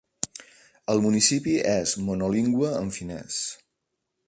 El municipi és monolingüe en finès.